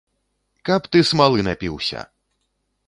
Каб ты смалы напіўся!